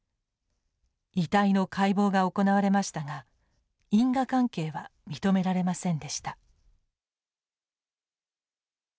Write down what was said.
遺体の解剖が行われましたが因果関係は認められませんでした。